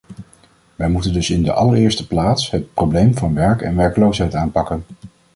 Wij moeten dus in de allereerste plaats het probleem van werk en werkloosheid aanpakken.